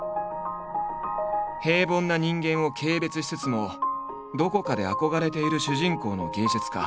平凡な人間を軽蔑しつつもどこかで憧れている主人公の芸術家。